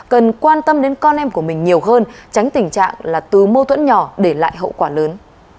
cần quan tâm đến con em của mình nhiều hơn tránh tình trạng là từ mâu thuẫn nhỏ để lại hậu quả lớn